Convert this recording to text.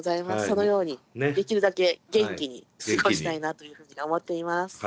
そのようにできるだけ元気に過ごしたいなというふうに思っています。